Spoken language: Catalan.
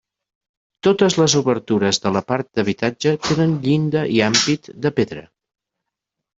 Totes les obertures de la part d'habitatge tenen llinda i ampit de pedra.